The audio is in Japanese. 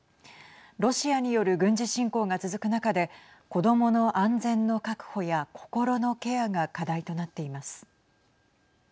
ロシアによる軍事侵攻が続く中で子どもの安全の確保や心のケアが課題となっています。